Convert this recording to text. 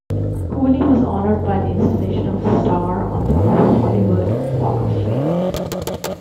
Cooley was honored by the installation of star on the Hollywood Walk of Fame.